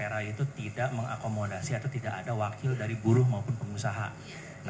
ternyata komite tapera itu tidak mengakomodasi atau tidak ada wakil dari buruh maupun pengusaha yang berada di dalam komite tapera